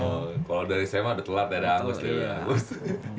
oh kalau dari saya mah udah telat ya udah hangus